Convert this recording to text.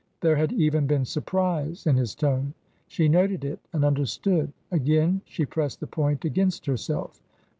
There had even been surprise in his tone. She noted it and understood. Again she pressed the point against herself.